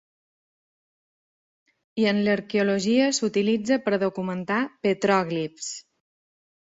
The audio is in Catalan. I en l'arqueologia s'utilitza per a documentar petròglifs.